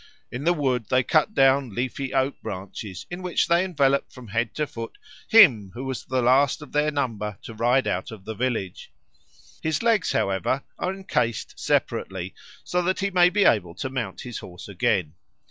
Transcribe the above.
In the wood they cut down leafy oak branches, in which they envelop from head to foot him who was the last of their number to ride out of the village. His legs, however, are encased separately, so that he may be able to mount his horse again.